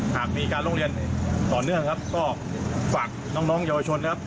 หากมีการลงเลียนต่อเนื่องก็ฝากน้องน้องเยาวชน